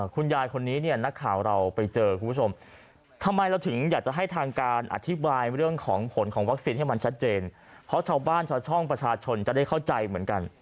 คุณยายคนนี้เนี่ยนักข่าวเราไปเจอคุณผู้ชมทำไมเราถึงอยากจะให้ทางการอธิบายเรื่องของผลของวัคซีนให้มันชัดเจนเพราะชาวบ้านชาวช่องประชาชนจะได้เข้าใจเหมือนกัน